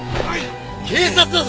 警察だぞ！